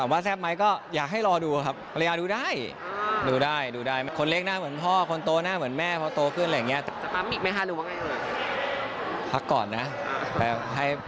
เขาก็มีธุรกิจไง